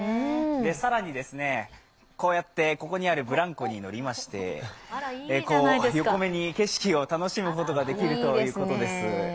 更にこうやってここにあるブランコに乗りまして横目に景色を楽しむことができるということです。